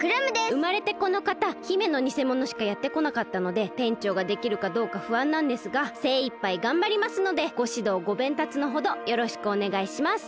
うまれてこのかた姫のにせものしかやってこなかったので店長ができるかどうかふあんなんですがせいいっぱいがんばりますのでごしどうごべんたつのほどよろしくおねがいします。